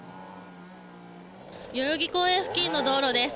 代々木公園付近の道路です。